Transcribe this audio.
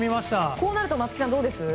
こうなると松木さん、どうです？